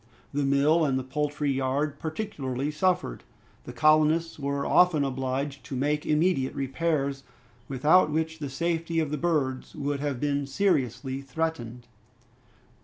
The mill and the poultry yard particularly suffered. The colonists were often obliged to make immediate repairs, without which the safety of the birds would have been seriously threatened.